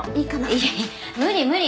いやいや無理無理。